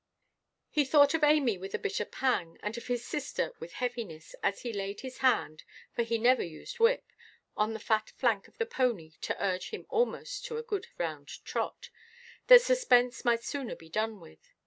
He thought of Amy with a bitter pang, and of his sister with heaviness, as he laid his hand—for he never used whip—on the fat flank of the pony to urge him almost to a good round trot, that suspense might sooner be done with.